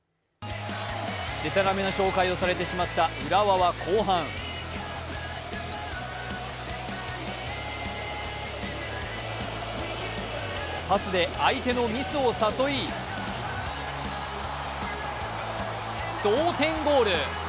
でたらめな紹介をされてしまった浦和は後半パスで相手のミスを誘い、同点ゴール。